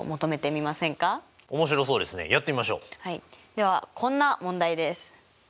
ではこんな問題です。